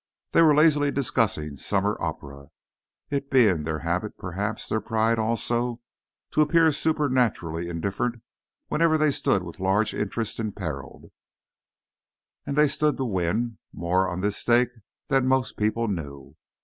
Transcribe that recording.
They were lazily discussing summer opera, it being, their habit—perhaps their pride also—to appear supernaturally indifferent whenever they stood with large interests imperilled. And they stood to win more on this stake than most people knew.